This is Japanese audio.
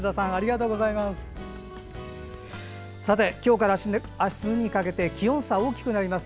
今日からあすにかけて気温差、大きくなります。